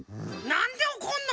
なんでおこんの？